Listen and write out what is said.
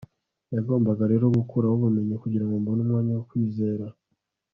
nagombaga rero gukuraho ubumenyi, kugira ngo mbone umwanya wo kwizera